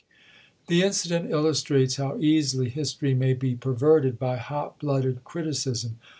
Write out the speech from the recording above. The incident illustrates how easily history may be perverted by hot blooded criticism.